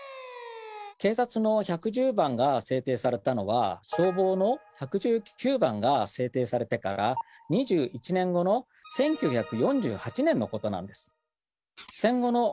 警察の１１０番が制定されたのは消防の１１９番が制定されてから２１年後の１９４８年のことなんです。